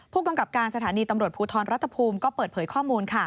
ผู้กำกับการสถานีตำรวจภูทรรัฐภูมิก็เปิดเผยข้อมูล